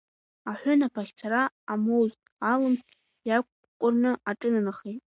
Аҳәынаԥ ахьцара амоузт, алым иақәкәырны аҿынанахеит.